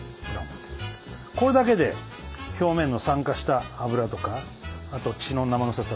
これだけで表面の酸化した脂とかあと血の生臭さが取れますから。